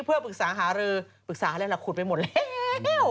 เพื่อปรึกษาหารือปรึกษาอะไรล่ะขุดไปหมดแล้ว